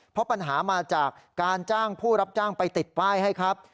เพราะปัญหามาจากการจ้างผู้รับจ้างไปติดป้ายให้ครับ